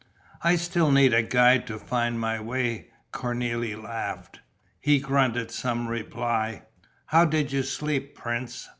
"I still need a guide to find my way," Cornélie laughed. He grunted some reply. "How did you sleep, prince?"